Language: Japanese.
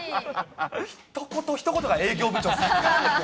ひと言ひと言が営業部長、さすがなんですよ。